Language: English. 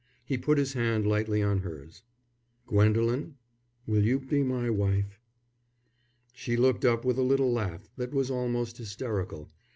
He put his hand lightly on hers. "Gwendolen, will you be my wife?" She looked up with a little laugh that was almost hysterical.